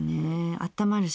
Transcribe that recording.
あったまるし。